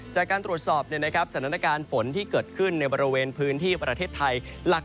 จากการตรวจสอบสถานการณ์ฝนที่เกิดขึ้นในบริเวณพื้นที่ประเทศไทย